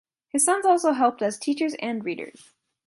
His sons also helped as teachers and readers.